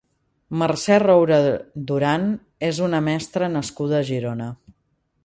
Mercè Roure Duran és una mestra nascuda a Girona.